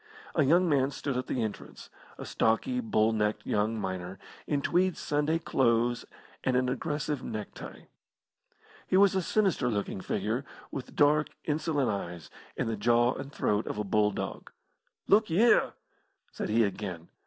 A young man stood at the entrance a stocky, bull necked young miner, in tweed Sunday clothes and an aggressive neck tie. He was a sinister looking figure, with dark, insolent eyes, and the jaw and throat of a bulldog. "Look y'ere!" said he again.